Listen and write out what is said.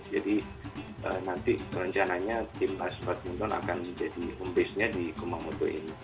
jadi nanti rencananya timnas badminton akan jadi home base nya di kumamoto ini